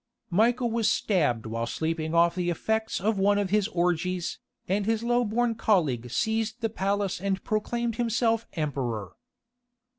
Michael was stabbed while sleeping off the effects of one of his orgies, and his low born colleague seized the palace and proclaimed himself emperor.